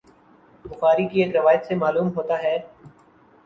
بخاری کی ایک روایت سے معلوم ہوتا ہے